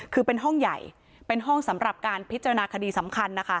คือเป็นห้องใหญ่เป็นห้องสำหรับการพิจารณาคดีสำคัญนะคะ